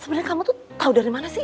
sebenernya kamu tuh tau dari mana sih